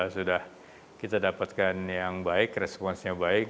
sudah kita dapatkan yang baik responsnya baik